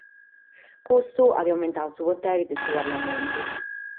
Custu at aumentadu su podere de su parlamentu.